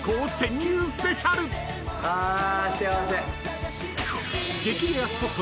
あ幸せ。